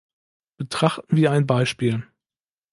Betrachten wir ein Beispiel.